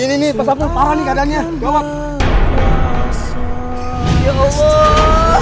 ini ini ini pasapun parah nih keadaannya